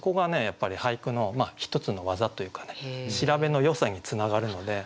やっぱり俳句の一つの技というか調べのよさにつながるのでいい質問ですね。